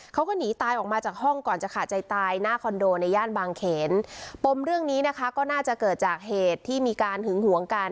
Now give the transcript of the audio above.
เขาก็หนีตายออกมาจากห้องก่อนจะขาดใจตายหน้าคอนโดในย่านบางเขนปมเรื่องนี้นะคะก็น่าจะเกิดจากเหตุที่มีการหึงหวงกัน